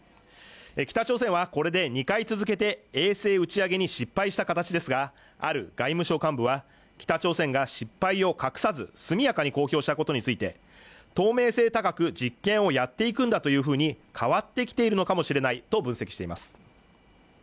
北朝鮮はこれで２回続けて衛星打ち上げに失敗した形ですがある外務省幹部は北朝鮮が失敗を隠さず速やかに公表したことについて透明性高く実験をやっていくんだというふうに変わってきているのかもしれないと分析しています